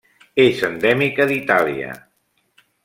És endèmica d'Itàlia.